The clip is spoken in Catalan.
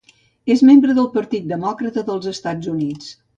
És membre de Partit Demòcrata dels Estats Units.